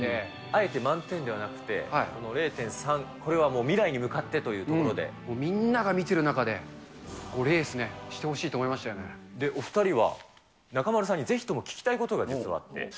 あえて満点ではなくて、０．３、これは未来に向かってとみんなが見てる中で、レースね、で、お２人は中丸さんにぜひとも聞きたいことが実はあって。